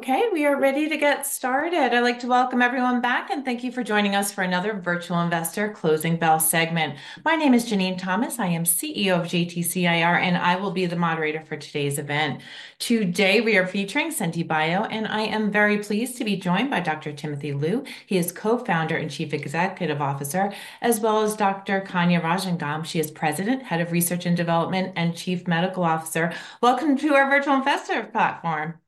Okay, we are ready to get started. I'd like to welcome everyone back, and thank you for joining us for another Virtual Investor Closing Bell segment. My name is Jenene Thomas. I am CEO of JTC IR, and I will be the moderator for today's event. Today we are featuring Senti Bio, and I am very pleased to be joined by Dr. Timothy Lu. He is co-founder and Chief Executive Officer, as well as Dr. Kanya Rajangam. She is President, Head of Research and Development, and Chief Medical Officer. Welcome to our Virtual Investor platform.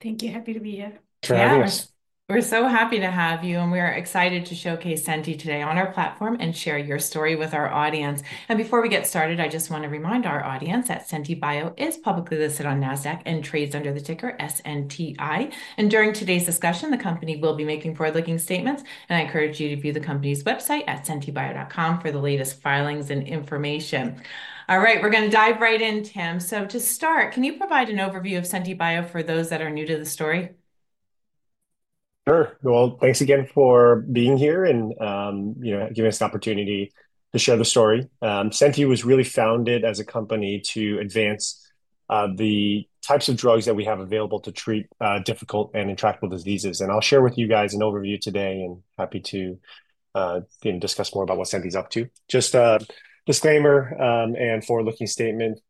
Thank you. Happy to be here. Travis. We're so happy to have you, and we are excited to showcase Senti today on our platform and share your story with our audience. Before we get started, I just want to remind our audience that Senti Bio is publicly listed on NASDAQ and trades under the ticker SNTI. During today's discussion, the company will be making forward-looking statements, and I encourage you to view the company's website at sentibio.com for the latest filings and information. All right, we're going to dive right in, Tim. To start, can you provide an overview of Senti Bio for those that are new to the story? Sure. Thanks again for being here and giving us the opportunity to share the story. Senti was really founded as a company to advance the types of drugs that we have available to treat difficult and intractable diseases. I'll share with you guys an overview today and happy to discuss more about what Senti is up to. Just a disclaimer and forward-looking statement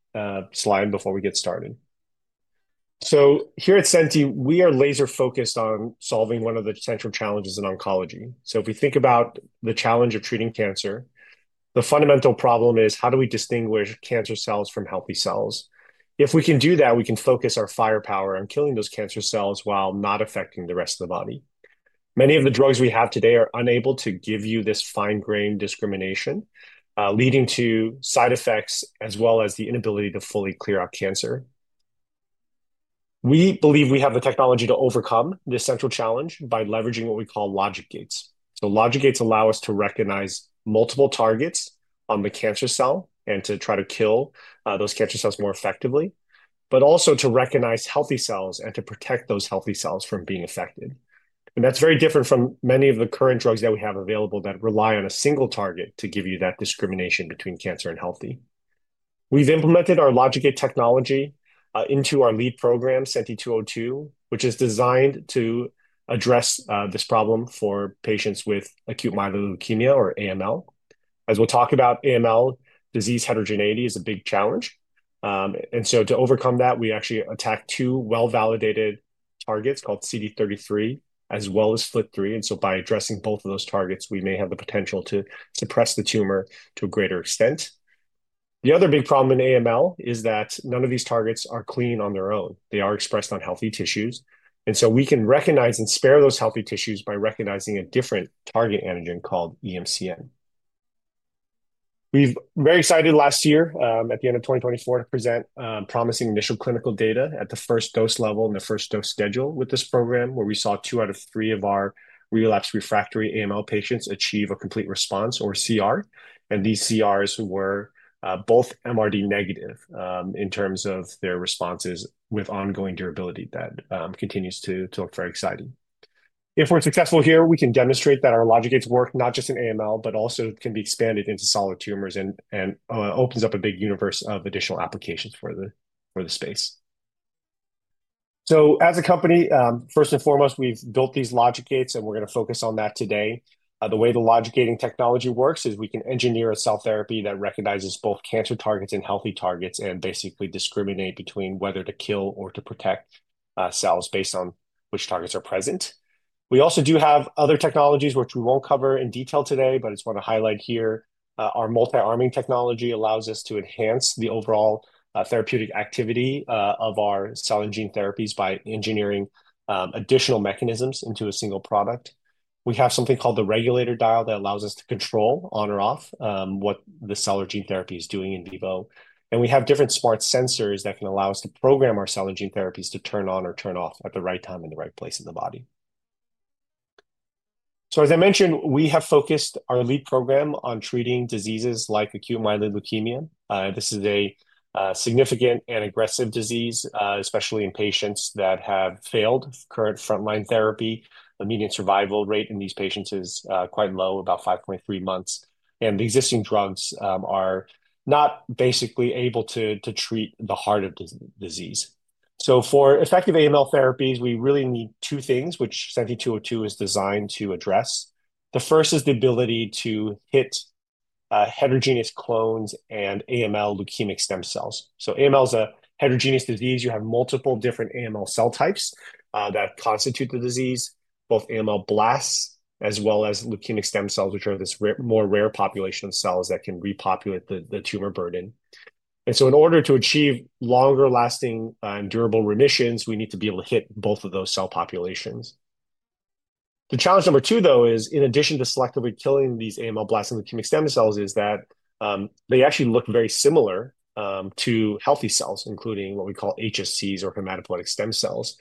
slide before we get started. Here at Senti, we are laser-focused on solving one of the central challenges in oncology. If we think about the challenge of treating cancer, the fundamental problem is how do we distinguish cancer cells from healthy cells? If we can do that, we can focus our firepower on killing those cancer cells while not affecting the rest of the body. Many of the drugs we have today are unable to give you this fine-grained discrimination, leading to side effects as well as the inability to fully clear out cancer. We believe we have the technology to overcome this central challenge by leveraging what we call logic gates. Logic gates allow us to recognize multiple targets on the cancer cell and to try to kill those cancer cells more effectively, but also to recognize healthy cells and to protect those healthy cells from being affected. That is very different from many of the current drugs that we have available that rely on a single target to give you that discrimination between cancer and healthy. We have implemented our logic gate technology into our lead program, SENTI-202, which is designed to address this problem for patients with acute myeloid leukemia or AML. As we'll talk about, AML, disease heterogeneity, is a big challenge. To overcome that, we actually attack two well-validated targets called CD33 as well as FLT3. By addressing both of those targets, we may have the potential to suppress the tumor to a greater extent. The other big problem in AML is that none of these targets are clean on their own. They are expressed on healthy tissues. We can recognize and spare those healthy tissues by recognizing a different target antigen called EMCN. We've been very excited last year at the end of 2024 to present promising initial clinical data at the first dose level and the first dose schedule with this program, where we saw two out of three of our relapsed refractory AML patients achieve a complete response or CR. These CRs were both MRD negative in terms of their responses with ongoing durability that continues to look very exciting. If we're successful here, we can demonstrate that our logic gates work not just in AML, but also can be expanded into solid tumors and opens up a big universe of additional applications for the space. As a company, first and foremost, we've built these logic gates, and we're going to focus on that today. The way the logic gating technology works is we can engineer a cell therapy that recognizes both cancer targets and healthy targets and basically discriminate between whether to kill or to protect cells based on which targets are present. We also do have other technologies, which we won't cover in detail today, but I just want to highlight here. Our multi-arming technology allows us to enhance the overall therapeutic activity of our cell and gene therapies by engineering additional mechanisms into a single product. We have something called the regulator dial that allows us to control on or off what the cell or gene therapy is doing in vivo. We have different smart sensors that can allow us to program our cell and gene therapies to turn on or turn off at the right time and the right place in the body. As I mentioned, we have focused our lead program on treating diseases like acute myeloid leukemia. This is a significant and aggressive disease, especially in patients that have failed current frontline therapy. The median survival rate in these patients is quite low, about 5.3 months. The existing drugs are not basically able to treat the heart of the disease. For effective AML therapies, we really need two things which SENTI-202 is designed to address. The first is the ability to hit heterogeneous clones and AML leukemic stem cells. AML is a heterogeneous disease. You have multiple different AML cell types that constitute the disease, both AML blasts as well as leukemic stem cells, which are this more rare population of cells that can repopulate the tumor burden. In order to achieve longer-lasting and durable remissions, we need to be able to hit both of those cell populations. The challenge number two, though, is in addition to selectively killing these AML blasts and leukemic stem cells, they actually look very similar to healthy cells, including what we call HSCs or hematopoietic stem cells.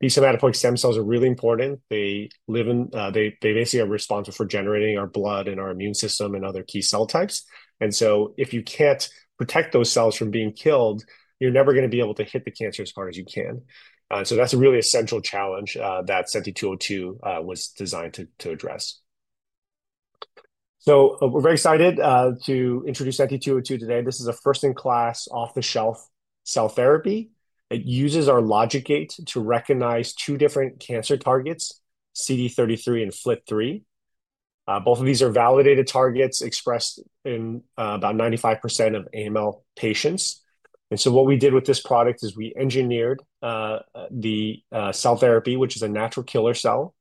These hematopoietic stem cells are really important. They basically are responsible for generating our blood and our immune system and other key cell types. If you can't protect those cells from being killed, you're never going to be able to hit the cancer as far as you can. That is a really essential challenge that SENTI-202 was designed to address. We are very excited to introduce SENTI-202 today. This is a first-in-class off-the-shelf cell therapy. It uses our logic gate to recognize two different cancer targets, CD33 and FLT3. Both of these are validated targets expressed in about 95% of AML patients. What we did with this product is we engineered the cell therapy, which is a natural killer cell.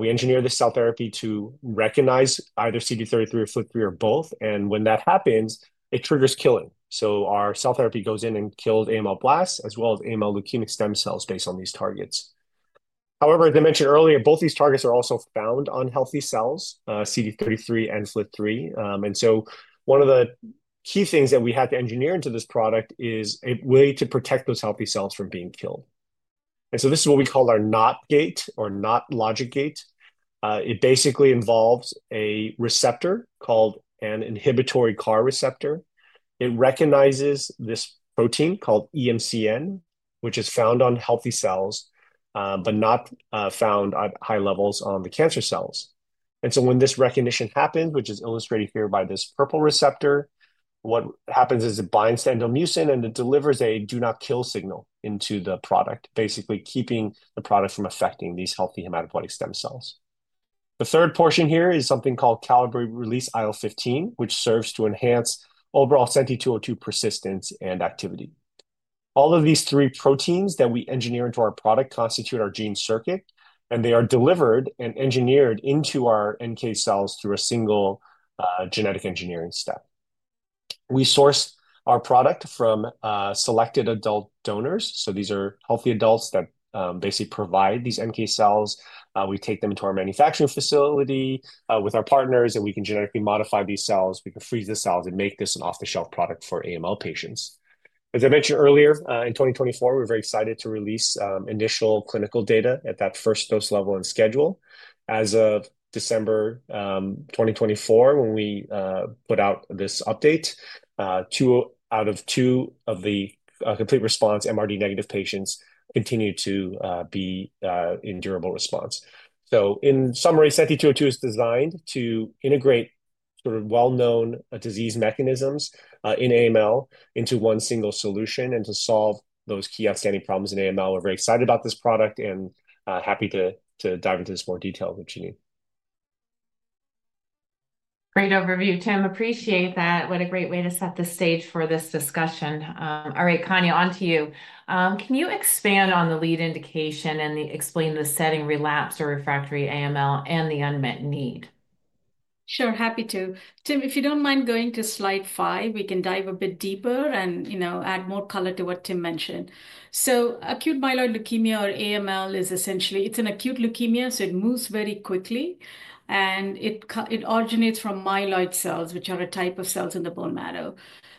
We engineered the cell therapy to recognize either CD33 or FLT3 or both. When that happens, it triggers killing. Our cell therapy goes in and kills AML blasts as well as AML leukemic stem cells based on these targets. However, as I mentioned earlier, both these targets are also found on healthy cells, CD33 and FLT3. One of the key things that we had to engineer into this product is a way to protect those healthy cells from being killed. This is what we call our NOT gate or NOT logic gate. It basically involves a receptor called an inhibitory CAR receptor. It recognizes this protein called EMCN, which is found on healthy cells, but not found at high levels on the cancer cells. When this recognition happens, which is illustrated here by this purple receptor, what happens is it binds to endomucin and it delivers a do-not-kill signal into the product, basically keeping the product from affecting these healthy hematopoietic stem cells. The third portion here is something called Calibrate Release IL-15, which serves to enhance overall SENTI-202 persistence and activity. All of these three proteins that we engineer into our product constitute our gene circuit, and they are delivered and engineered into our NK cells through a single genetic engineering step. We source our product from selected adult donors. These are healthy adults that basically provide these NK cells. We take them to our manufacturing facility with our partners, and we can genetically modify these cells. We can freeze the cells and make this an off-the-shelf product for AML patients. As I mentioned earlier, in 2024, we're very excited to release initial clinical data at that first dose level and schedule. As of December 2024, when we put out this update, two out of two of the complete response MRD negative patients continue to be in durable response. In summary, SENTI-202 is designed to integrate sort of well-known disease mechanisms in AML into one single solution and to solve those key outstanding problems in AML. We're very excited about this product and happy to dive into this more detail with Janine. Great overview, Tim. Appreciate that. What a great way to set the stage for this discussion. All right, Kanya, on to you. Can you expand on the lead indication and explain the setting relapse or refractory AML and the unmet need? Sure, happy to. Tim, if you don't mind going to slide five, we can dive a bit deeper and add more color to what Tim mentioned. Acute myeloid leukemia or AML is essentially, it's an acute leukemia, so it moves very quickly, and it originates from myeloid cells, which are a type of cells in the bone marrow.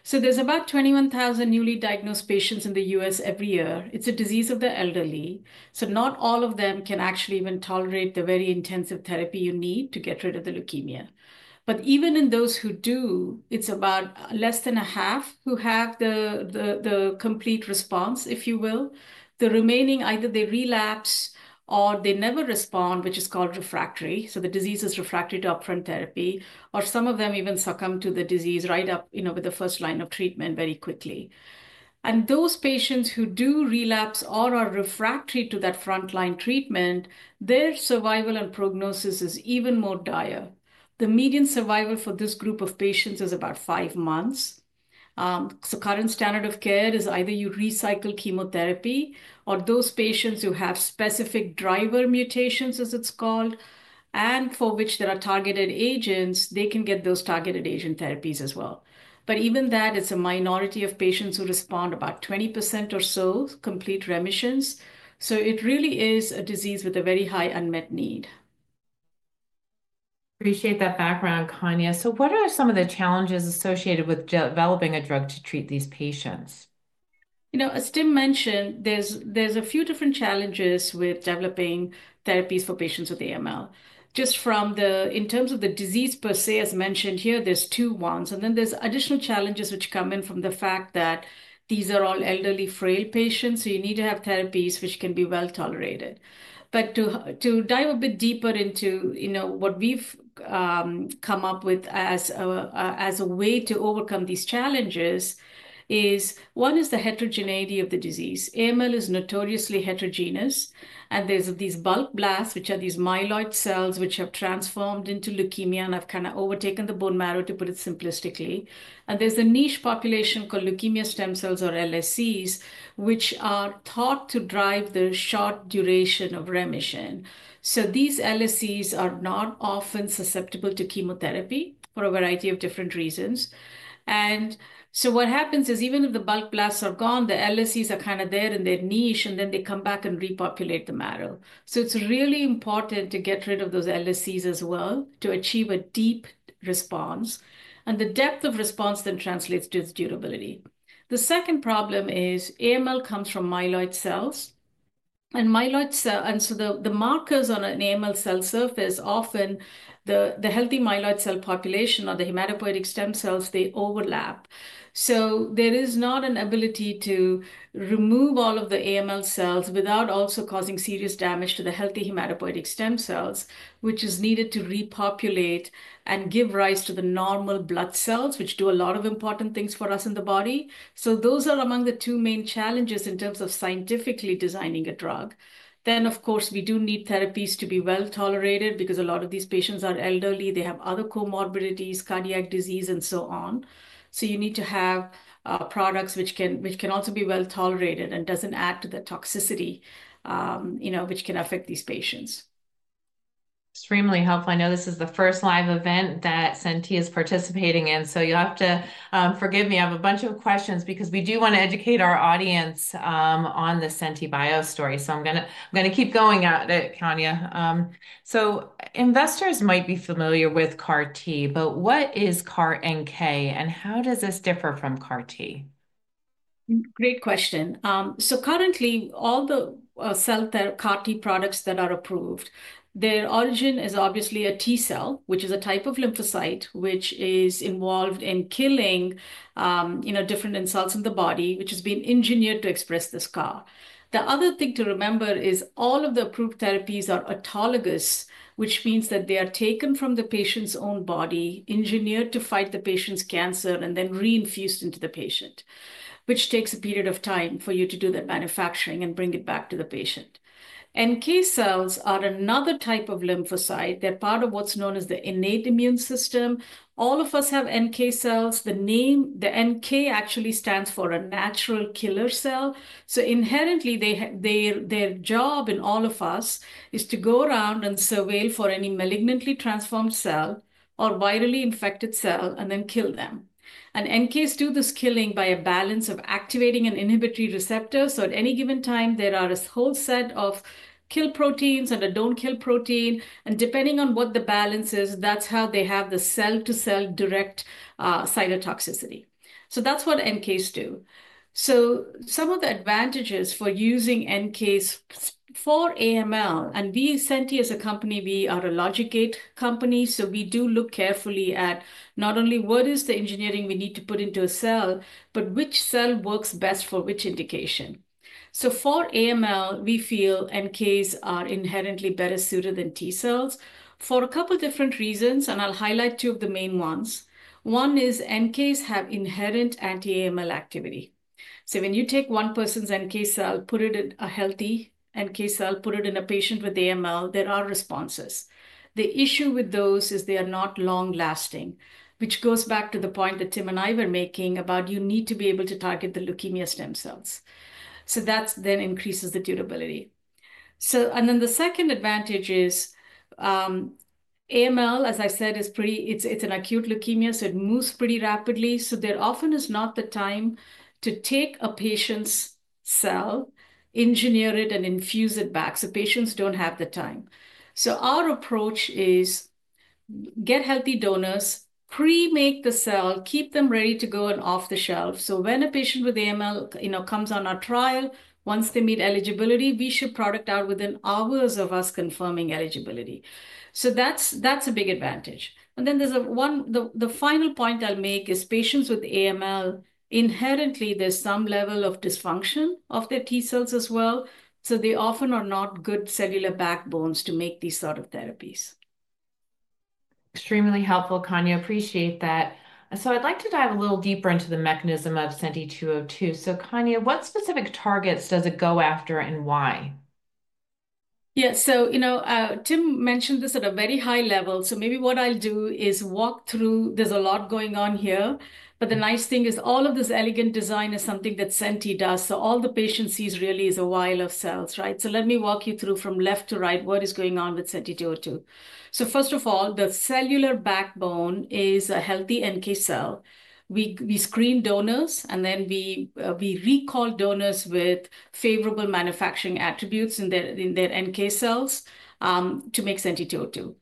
There are about 21,000 newly diagnosed patients in the U.S. every year. It's a disease of the elderly. Not all of them can actually even tolerate the very intensive therapy you need to get rid of the leukemia. Even in those who do, it's about less than half who have the complete response, if you will. The remaining, either they relapse or they never respond, which is called refractory. The disease is refractory to upfront therapy, or some of them even succumb to the disease right up with the first line of treatment very quickly. Those patients who do relapse or are refractory to that frontline treatment, their survival and prognosis is even more dire. The median survival for this group of patients is about five months. Current standard of care is either you recycle chemotherapy or those patients who have specific driver mutations, as it's called, and for which there are targeted agents, they can get those targeted agent therapies as well. Even that, it's a minority of patients who respond, about 20% or so, complete remissions. It really is a disease with a very high unmet need. Appreciate that background, Kanya. What are some of the challenges associated with developing a drug to treat these patients? As Tim mentioned, there's a few different challenges with developing therapies for patients with AML. Just from the, in terms of the disease per se, as mentioned here, there's two ones. There are additional challenges which come in from the fact that these are all elderly frail patients, so you need to have therapies which can be well tolerated. To dive a bit deeper into what we've come up with as a way to overcome these challenges is, one is the heterogeneity of the disease. AML is notoriously heterogeneous, and there's these bulk blasts, which are these myeloid cells which have transformed into leukemia and have kind of overtaken the bone marrow, to put it simplistically. There's a niche population called leukemia stem cells or LSCs, which are thought to drive the short duration of remission. These LSCs are not often susceptible to chemotherapy for a variety of different reasons. What happens is even if the bulk blasts are gone, the LSCs are kind of there in their niche, and then they come back and repopulate the marrow. It is really important to get rid of those LSCs as well to achieve a deep response. The depth of response then translates to its durability. The second problem is AML comes from myeloid cells. The markers on an AML cell surface, often the healthy myeloid cell population or the hematopoietic stem cells, they overlap. There is not an ability to remove all of the AML cells without also causing serious damage to the healthy hematopoietic stem cells, which is needed to repopulate and give rise to the normal blood cells, which do a lot of important things for us in the body. Those are among the two main challenges in terms of scientifically designing a drug. Of course, we do need therapies to be well tolerated because a lot of these patients are elderly. They have other comorbidities, cardiac disease, and so on. You need to have products which can also be well tolerated and do not add to the toxicity, which can affect these patients. Extremely helpful. I know this is the first live event that Senti is participating in. You'll have to forgive me. I have a bunch of questions because we do want to educate our audience on the Senti Bios story. I'm going to keep going at it, Kanya. Investors might be familiar with CAR-T, but what is CAR-NK, and how does this differ from CAR-T? Great question. Currently, all the CAR-T products that are approved, their origin is obviously a T cell, which is a type of lymphocyte which is involved in killing different cells in the body, which has been engineered to express this CAR. The other thing to remember is all of the approved therapies are autologous, which means that they are taken from the patient's own body, engineered to fight the patient's cancer, and then reinfused into the patient, which takes a period of time for you to do the manufacturing and bring it back to the patient. NK cells are another type of lymphocyte. They are part of what is known as the innate immune system. All of us have NK cells. The name NK actually stands for a natural killer cell. Inherently, their job in all of us is to go around and surveil for any malignantly transformed cell or virally infected cell and then kill them. NKs do this killing by a balance of activating and inhibitory receptor. At any given time, there are a whole set of kill proteins and a don't kill protein. Depending on what the balance is, that's how they have the cell-to-cell direct cytotoxicity. That's what NKs do. Some of the advantages for using NKs for AML, and Senti as a company, we are a logic gate company. We do look carefully at not only what is the engineering we need to put into a cell, but which cell works best for which indication. For AML, we feel NKs are inherently better suited than T cells for a couple of different reasons, and I'll highlight two of the main ones. One is NKs have inherent anti-AML activity. When you take one person's NK cell, put it in a healthy NK cell, put it in a patient with AML, there are responses. The issue with those is they are not long-lasting, which goes back to the point that Tim and I were making about you need to be able to target the leukemia stem cells. That then increases the durability. The second advantage is AML, as I said, it's an acute leukemia, so it moves pretty rapidly. There often is not the time to take a patient's cell, engineer it, and infuse it back. Patients don't have the time. Our approach is get healthy donors, pre-make the cell, keep them ready to go and off the shelf. When a patient with AML comes on our trial, once they meet eligibility, we ship product out within hours of us confirming eligibility. That's a big advantage. There's one final point I'll make. Patients with AML, inherently, there's some level of dysfunction of their T cells as well. They often are not good cellular backbones to make these sort of therapies. Extremely helpful, Kanya. Appreciate that. I'd like to dive a little deeper into the mechanism of SENTI-202. Kanya, what specific targets does it go after and why? Yeah. Tim mentioned this at a very high level. Maybe what I'll do is walk through. There's a lot going on here. The nice thing is all of this elegant design is something that Senti does. All the patients see is really a vial of cells, right? Let me walk you through from left to right what is going on with SENTI-202. First of all, the cellular backbone is a healthy NK cell. We screen donors, and then we recall donors with favorable manufacturing attributes in their NK cells to make SENTI-202.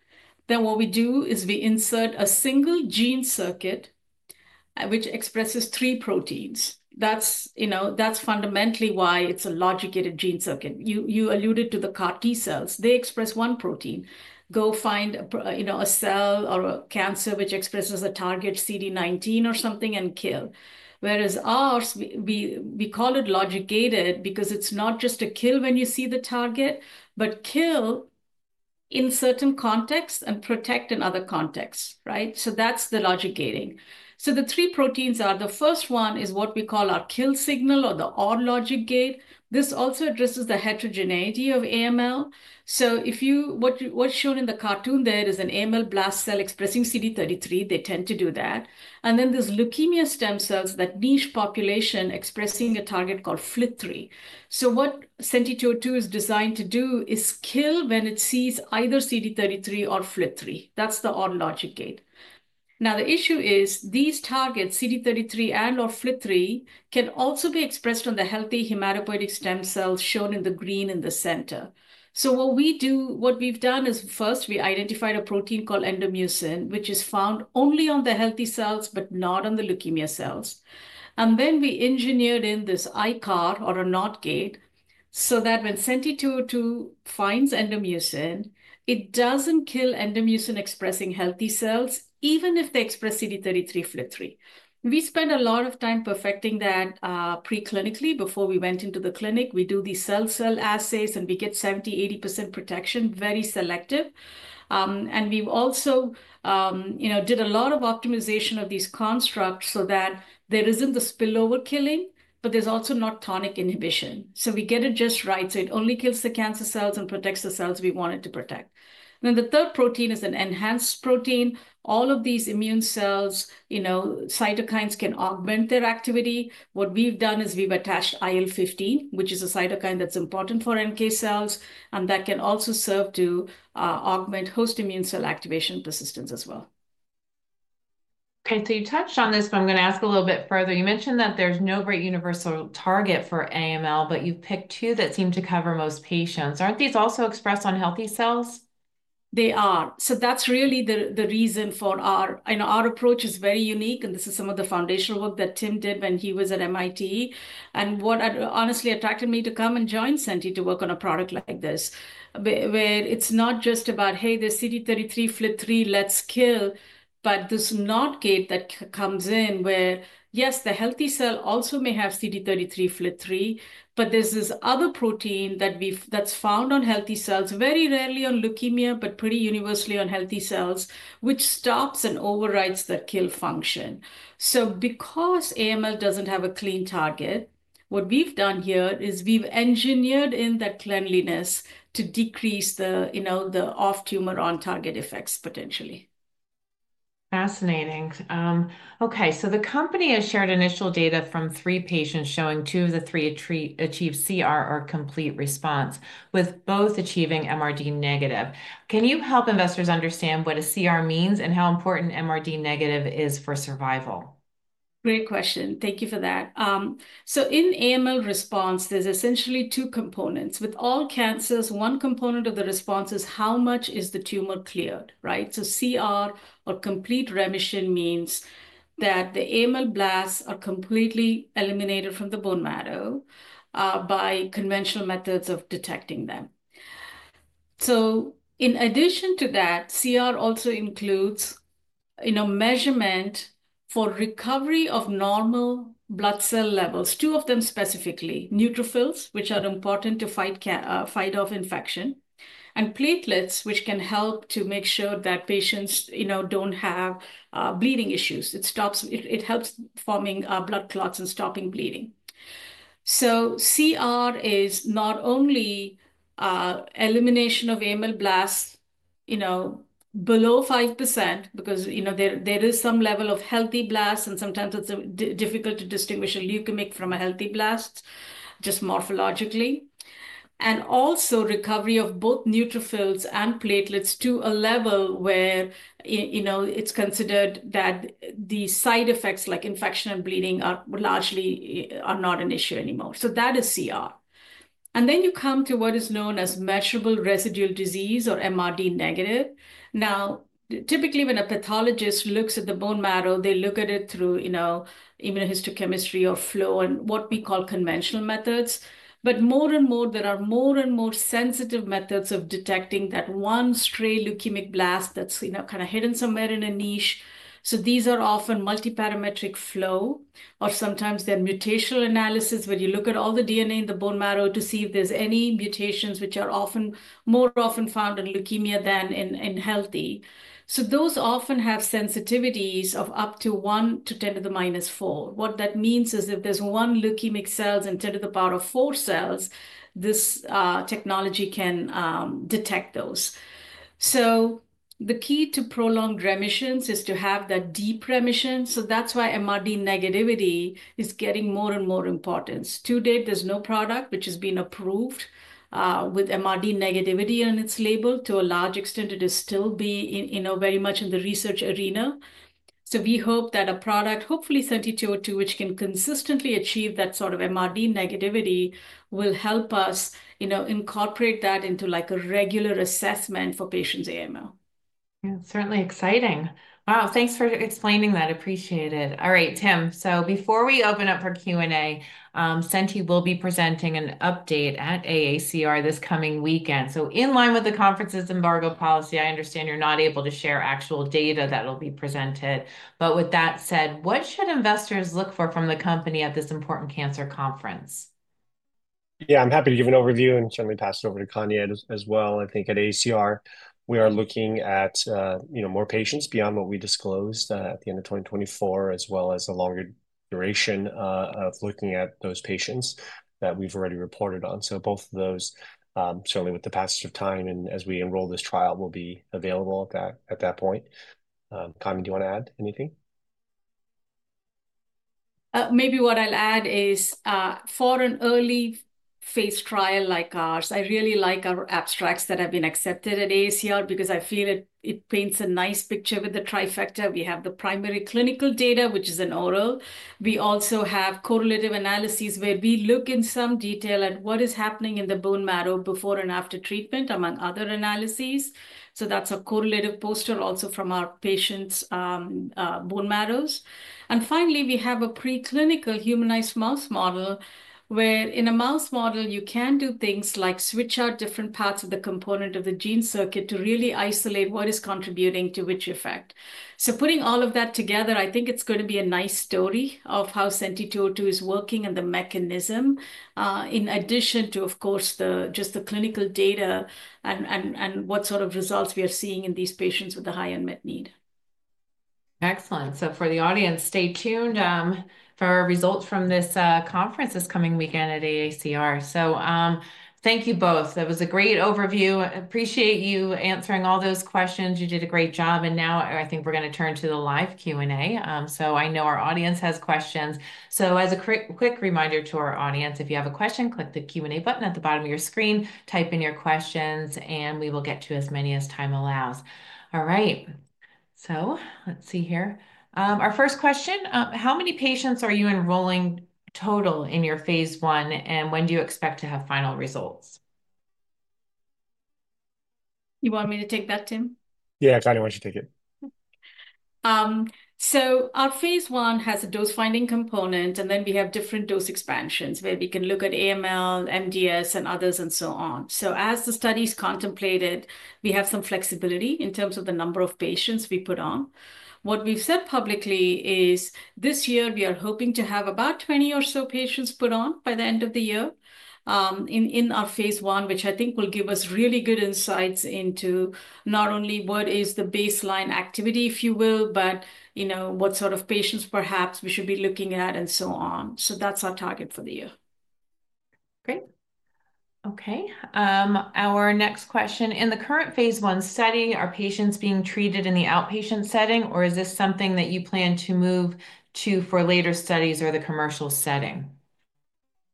What we do is we insert a single gene circuit which expresses three proteins. That's fundamentally why it's a logic gated gene circuit. You alluded to the CAR-T cells. They express one protein, go find a cell or a cancer which expresses a target CD19 or something and kill. Whereas ours, we call it logic gated because it's not just a kill when you see the target, but kill in certain contexts and protect in other contexts, right? That's the logic gating. The three proteins are the first one is what we call our kill signal or the odd logic gate. This also addresses the heterogeneity of AML. What's shown in the cartoon there is an AML blast cell expressing CD33. They tend to do that. Then there's leukemia stem cells, that niche population expressing a target called FLT3. What Senti 202 is designed to do is kill when it sees either CD33 or FLT3. That's the odd logic gate. Now, the issue is these targets, CD33 and/or FLT3, can also be expressed on the healthy hematopoietic stem cells shown in the green in the center. What we've done is first, we identified a protein called endomucin, which is found only on the healthy cells, but not on the leukemia cells. We engineered in this iCAR or a NOT gate so that when SENTI-202 finds endomucin, it doesn't kill endomucin expressing healthy cells, even if they express CD33, FLT3. We spent a lot of time perfecting that preclinically before we went into the clinic. We do these cell-cell assays, and we get 70%-80% protection, very selective. We also did a lot of optimization of these constructs so that there isn't the spillover killing, but there's also not tonic inhibition. We get it just right. It only kills the cancer cells and protects the cells we want it to protect. The third protein is an enhanced protein. All of these immune cells, cytokines can augment their activity. What we've done is we've attached IL-15, which is a cytokine that's important for NK cells, and that can also serve to augment host immune cell activation persistence as well. Okay. You touched on this, but I'm going to ask a little bit further. You mentioned that there's no great universal target for AML, but you've picked two that seem to cover most patients. Aren't these also expressed on healthy cells? They are. That is really the reason for our approach is very unique. This is some of the foundational work that Tim did when he was at MIT. What honestly attracted me to come and join Senti to work on a product like this, where it is not just about, hey, there is CD33, FLT3, let's kill, but this NOT gate that comes in where, yes, the healthy cell also may have CD33, FLT3, but there is this other protein that is found on healthy cells, very rarely on leukemia, but pretty universally on healthy cells, which stops and overrides the kill function. Because AML does not have a clean target, what we have done here is we have engineered in that cleanliness to decrease the off-tumor on-target effects potentially. Fascinating. Okay. The company has shared initial data from three patients showing two of the three achieve CR or complete response, with both achieving MRD negative. Can you help investors understand what a CR means and how important MRD negative is for survival? Great question. Thank you for that. In AML response, there's essentially two components. With all cancers, one component of the response is how much is the tumor cleared, right? CR or complete remission means that the AML blasts are completely eliminated from the bone marrow by conventional methods of detecting them. In addition to that, CR also includes measurement for recovery of normal blood cell levels, two of them specifically, neutrophils, which are important to fight off infection, and platelets, which can help to make sure that patients don't have bleeding issues. It helps forming blood clots and stopping bleeding. CR is not only elimination of AML blasts below 5% because there is some level of healthy blasts, and sometimes it's difficult to distinguish a leukemic from a healthy blast just morphologically, and also recovery of both neutrophils and platelets to a level where it's considered that the side effects like infection and bleeding largely are not an issue anymore. That is CR. You come to what is known as measurable residual disease or MRD negative. Now, typically, when a pathologist looks at the bone marrow, they look at it through immunohistochemistry or flow and what we call conventional methods. More and more, there are more and more sensitive methods of detecting that one stray leukemic blast that's kind of hidden somewhere in a niche. These are often multiparametric flow, or sometimes they're mutational analysis where you look at all the DNA in the bone marrow to see if there's any mutations which are more often found in leukemia than in healthy. Those often have sensitivities of up to one to 10 to the minus four. What that means is if there's one leukemic cell in 10 to the power of four cells, this technology can detect those. The key to prolonged remissions is to have that deep remission. That's why MRD negativity is getting more and more importance. To date, there's no product which has been approved with MRD negativity on its label. To a large extent, it is still very much in the research arena. We hope that a product, hopefully SENTI-202, which can consistently achieve that sort of MRD negativity, will help us incorporate that into a regular assessment for patients' AML. Yeah. Certainly exciting. Wow. Thanks for explaining that. Appreciate it. All right, Tim. Before we open up for Q&A, Senti will be presenting an update at AACR this coming weekend. In line with the conference's embargo policy, I understand you're not able to share actual data that'll be presented. With that said, what should investors look for from the company at this important cancer conference? Yeah. I'm happy to give an overview and certainly pass it over to Kanya as well. I think at AACR, we are looking at more patients beyond what we disclosed at the end of 2024, as well as a longer duration of looking at those patients that we've already reported on. Both of those, certainly with the passage of time and as we enroll this trial, will be available at that point. Kanya, do you want to add anything? Maybe what I'll add is for an early phase trial like ours, I really like our abstracts that have been accepted at AACR because I feel it paints a nice picture with the trifecta. We have the primary clinical data, which is in oral. We also have correlative analyses where we look in some detail at what is happening in the bone marrow before and after treatment, among other analyses. That is a correlative poster also from our patients' bone marrows. Finally, we have a preclinical humanized mouse model where in a mouse model, you can do things like switch out different parts of the component of the gene circuit to really isolate what is contributing to which effect. Putting all of that together, I think it's going to be a nice story of how SENTI-202 is working and the mechanism, in addition to, of course, just the clinical data and what sort of results we are seeing in these patients with a high unmet need. Excellent. For the audience, stay tuned for results from this conference this coming weekend at AACR. Thank you both. That was a great overview. Appreciate you answering all those questions. You did a great job. Now I think we're going to turn to the live Q&A. I know our audience has questions. As a quick reminder to our audience, if you have a question, click the Q&A button at the bottom of your screen, type in your questions, and we will get to as many as time allows. All right. Let's see here. Our first question, how many patients are you enrolling total in your phase one, and when do you expect to have final results? You want me to take that, Tim? Yeah. Kanya wants you to take it. Our phase one has a dose-finding component, and then we have different dose expansions where we can look at AML, MDS, and others, and so on. As the study is contemplated, we have some flexibility in terms of the number of patients we put on. What we've said publicly is this year, we are hoping to have about 20 or so patients put on by the end of the year in our phase I, which I think will give us really good insights into not only what is the baseline activity, if you will, but what sort of patients perhaps we should be looking at and so on. That's our target for the year. Great. Okay. Our next question, in the current phase one setting, are patients being treated in the outpatient setting, or is this something that you plan to move to for later studies or the commercial setting?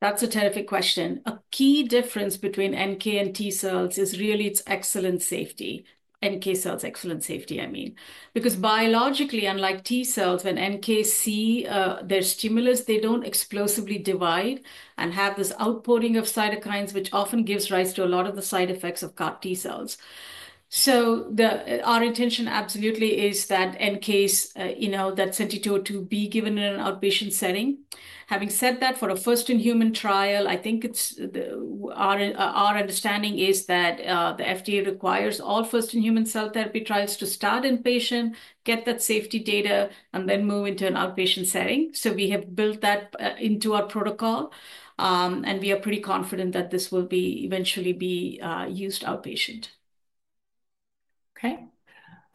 That's a terrific question. A key difference between NK and T cells is really its excellent safety, NK cells' excellent safety, I mean, because biologically, unlike T cells, when NKs see their stimulus, they don't explosively divide and have this outpouring of cytokines, which often gives rise to a lot of the side effects of CAR-T cells. Our intention absolutely is that NKs, that SENTI-202 be given in an outpatient setting. Having said that, for a first-in-human trial, I think our understanding is that the FDA requires all first-in-human cell therapy trials to start inpatient, get that safety data, and then move into an outpatient setting. We have built that into our protocol, and we are pretty confident that this will eventually be used outpatient. Okay.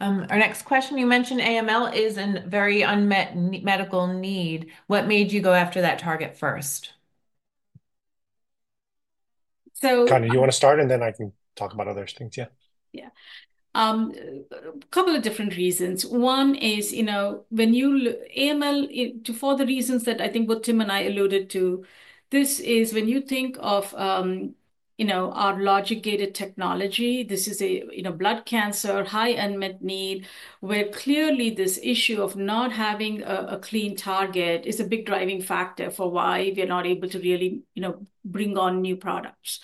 Our next question, you mentioned AML is a very unmet medical need. What made you go after that target first? Kanya, do you want to start, and then I can talk about other things? Yeah. Yeah. A couple of different reasons. One is when you look at AML, for the reasons that I think what Tim and I alluded to, this is when you think of our logic-gated technology, this is a blood cancer, high unmet need, where clearly this issue of not having a clean target is a big driving factor for why we are not able to really bring on new products.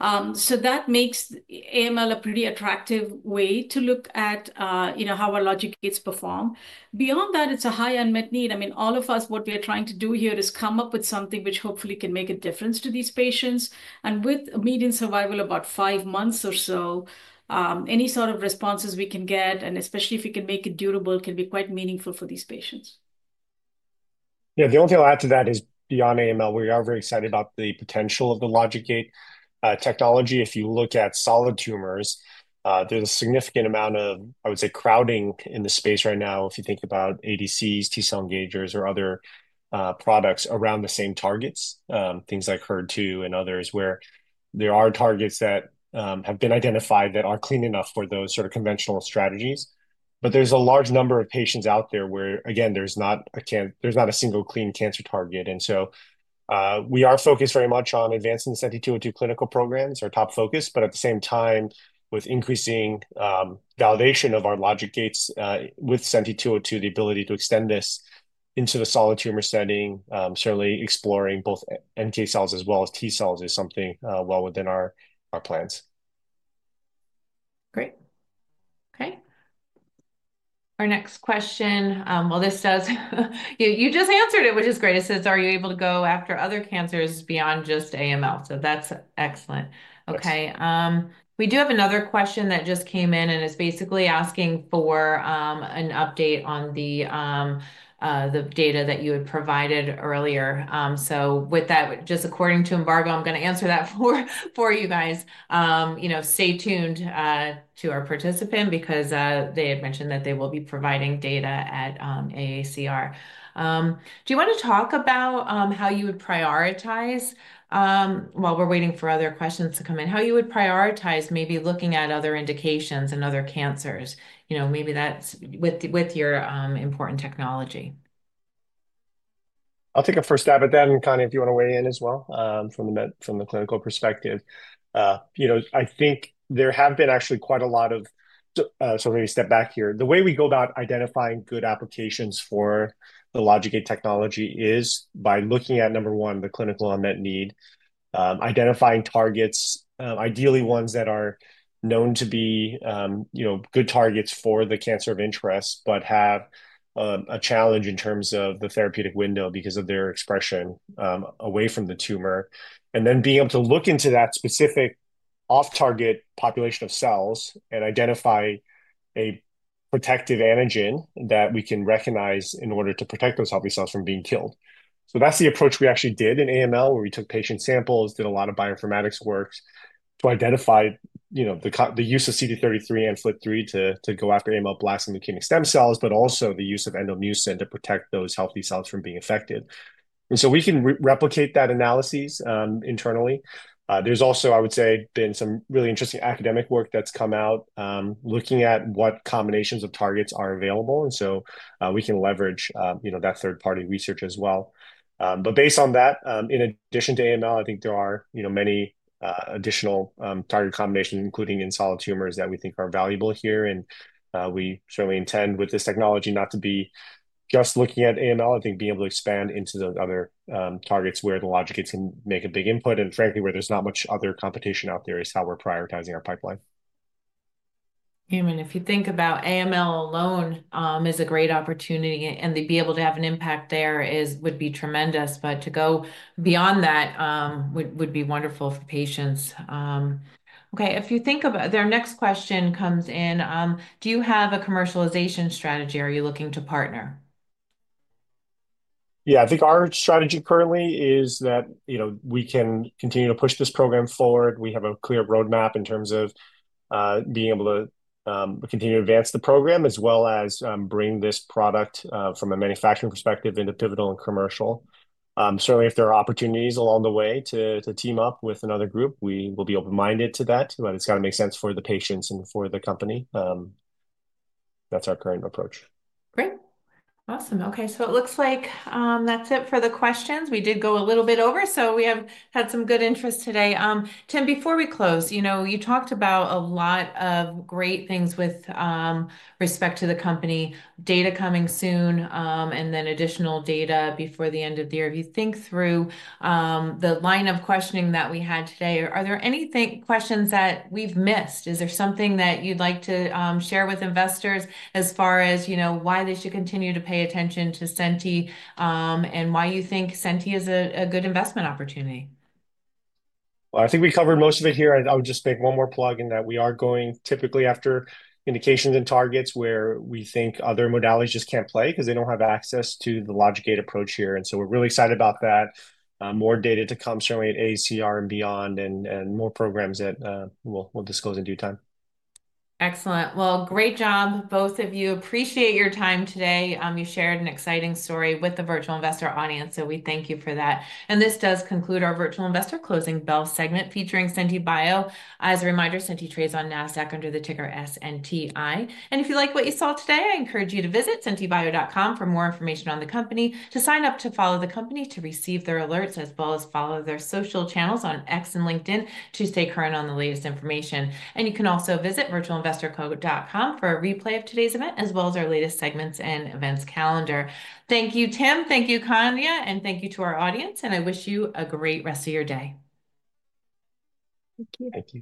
That makes AML a pretty attractive way to look at how our logic gates perform. Beyond that, it's a high unmet need. I mean, all of us, what we are trying to do here is come up with something which hopefully can make a difference to these patients. With a median survival of about five months or so, any sort of responses we can get, and especially if we can make it durable, can be quite meaningful for these patients. Yeah. The only thing I'll add to that is beyond AML, we are very excited about the potential of the logic gate technology. If you look at solid tumors, there's a significant amount of, I would say, crowding in the space right now if you think about ADCs, T-cell engagers, or other products around the same targets, things like HER2 and others, where there are targets that have been identified that are clean enough for those sort of conventional strategies. There is a large number of patients out there where, again, there's not a single clean cancer target. We are focused very much on advancing the SENTI-202 clinical programs, our top focus, but at the same time, with increasing validation of our logic gates with SENTI-202, the ability to extend this into the solid tumor setting, certainly exploring both NK cells as well as T cells is something well within our plans. Great. Okay. Our next question, this does, you just answered it, which is great. It says, are you able to go after other cancers beyond just AML? That is excellent. Okay. We do have another question that just came in, and it's basically asking for an update on the data that you had provided earlier. With that, just according to embargo, I'm going to answer that for you guys. Stay tuned to our participant because they had mentioned that they will be providing data at AACR. Do you want to talk about how you would prioritize while we're waiting for other questions to come in, how you would prioritize maybe looking at other indications and other cancers? Maybe that's with your important technology. I'll take a first stab, but then, Kanya, if you want to weigh in as well from the clinical perspective. I think there have been actually quite a lot of, so let me step back here. The way we go about identifying good applications for the logic gate technology is by looking at, number one, the clinical unmet need, identifying targets, ideally ones that are known to be good targets for the cancer of interest, but have a challenge in terms of the therapeutic window because of their expression away from the tumor, and then being able to look into that specific off-target population of cells and identify a protective antigen that we can recognize in order to protect those healthy cells from being killed. That's the approach we actually did in AML, where we took patient samples, did a lot of bioinformatics work to identify the use of CD33 and FLT3 to go after AML blasts and leukemic stem cells, but also the use of endomucin to protect those healthy cells from being affected. We can replicate that analysis internally. There's also, I would say, been some really interesting academic work that's come out looking at what combinations of targets are available. We can leverage that third-party research as well. Based on that, in addition to AML, I think there are many additional target combinations, including in solid tumors, that we think are valuable here. We certainly intend with this technology not to be just looking at AML. I think being able to expand into those other targets where the logic gates can make a big input, and frankly, where there's not much other competition out there is how we're prioritizing our pipeline. Yeah. I mean, if you think about AML alone is a great opportunity, and to be able to have an impact there would be tremendous. To go beyond that would be wonderful for patients. Okay. If you think about our next question comes in, do you have a commercialization strategy? Are you looking to partner? Yeah. I think our strategy currently is that we can continue to push this program forward. We have a clear roadmap in terms of being able to continue to advance the program as well as bring this product from a manufacturing perspective into pivotal and commercial. Certainly, if there are opportunities along the way to team up with another group, we will be open-minded to that. It has got to make sense for the patients and for the company. That is our current approach. Great. Awesome. Okay. It looks like that's it for the questions. We did go a little bit over, so we have had some good interest today. Tim, before we close, you talked about a lot of great things with respect to the company, data coming soon, and then additional data before the end of the year. If you think through the line of questioning that we had today, are there any questions that we've missed? Is there something that you'd like to share with investors as far as why they should continue to pay attention to Senti and why you think Senti is a good investment opportunity? I think we covered most of it here. I would just make one more plug in that we are going typically after indications and targets where we think other modalities just can't play because they don't have access to the logic gate approach here. And so we're really excited about that. More data to come certainly at AACR and beyond, and more programs that we'll disclose in due time. Excellent. Great job, both of you. Appreciate your time today. You shared an exciting story with the virtual investor audience, so we thank you for that. This does conclude our virtual investor closing bell segment featuring Senti Bio. As a reminder, Senti trades on NASDAQ under the ticker SNTI. If you like what you saw today, I encourage you to visit senti-bio.com for more information on the company, to sign up to follow the company to receive their alerts, as well as follow their social channels on X and LinkedIn to stay current on the latest information. You can also visit virtualinvestorco.com for a replay of today's event, as well as our latest segments and events calendar. Thank you, Tim. Thank you, Kanya. Thank you to our audience. I wish you a great rest of your day. Thank you.